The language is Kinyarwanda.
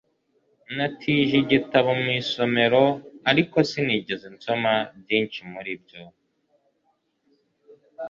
natije igitabo mu isomero, ariko sinigeze nsoma byinshi muri byo